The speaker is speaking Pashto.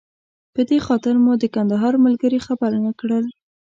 په دې خاطر مو د کندهار ملګري خبر نه کړل.